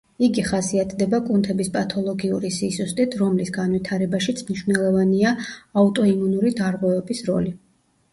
იგი ხასიათდება კუნთების პათოლოგიური სისუსტით, რომლის განვითარებაშიც მნიშვნელოვანია აუტოიმუნური დარღვევების როლი.